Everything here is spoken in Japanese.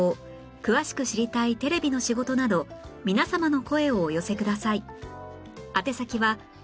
詳しく知りたいテレビの仕事など皆様の声をお寄せください